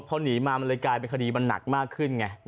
พอหนีมามันเลยกลายเป็นคดีมันหนักมากขึ้นไง